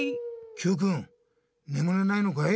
Ｑくんねむれないのかい？